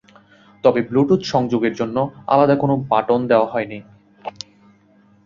তবে ব্লুটুথ সংযোগ এর জন্য আলাদা কোন বাটন দেয়া হয়নি।